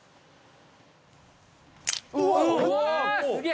「うわすげえ！」